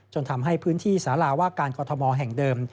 จนทำให้พื้นที่สาราว่าการกรทมแห่งเดิม